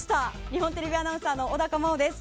日本テレビアナウンサー小高茉緒です。